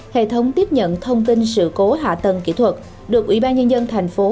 hệ thống tiếp nhận thông tin sự cố hạ tầng kỹ thuật được ủy ban nhân dân thành phố